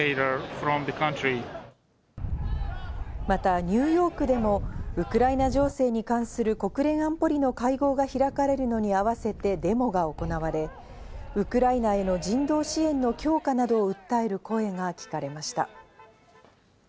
またニューヨークでもウクライナ情勢に関する国連安保理の会合が開かれるのに合わせてデモが行われ、ウクライナへの人道支援の強化などを訴える声が聞かれました。